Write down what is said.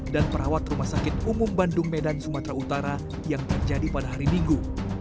dan perawat rumah sakit umum bandung medan sumatera utara yang terjadi pada hari minggu